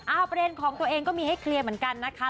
เอาประเด็นของตัวเองก็มีให้เคลียร์เหมือนกันนะคะ